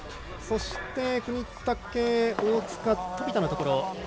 そして國武、大塚飛田のところ。